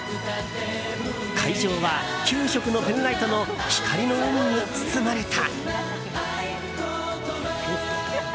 会場は９色のペンライトの光の海に包まれた。